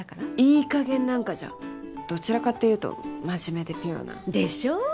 いい加減なんかじゃどちらかっていうと真面目でピュアなでしょ？